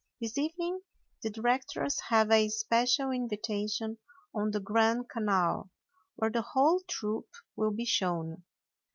This evening the directors have a special invitation on the Grand Canal, where the whole troupe will be shown.